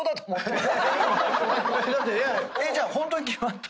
じゃあホントに決まったの？